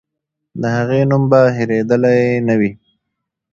د هغې نوم به هېرېدلی نه وي.